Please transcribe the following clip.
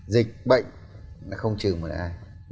dịch bệnh không trừ một ai